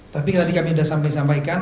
tapi tadi kami sudah sampaikan